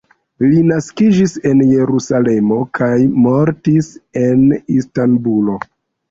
Li naskiĝis en Jerusalemo kaj mortis en Istanbulo.